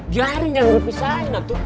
jaring yang dipisahin atu